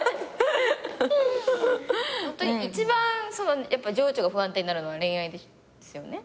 ホントに一番情緒が不安定になるのは恋愛ですよね？